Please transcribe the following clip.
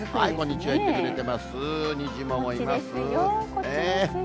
こっちですよ。